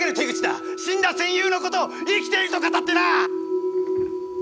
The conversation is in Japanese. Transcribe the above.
死んだ戦友の事を生きていると語ってな！